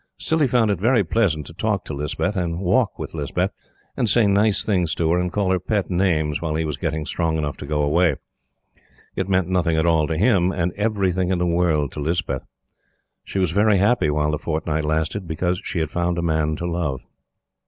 Still he found it very pleasant to talk to Lispeth, and walk with Lispeth, and say nice things to her, and call her pet names while he was getting strong enough to go away. It meant nothing at all to him, and everything in the world to Lispeth. She was very happy while the fortnight lasted, because she had found a man to love.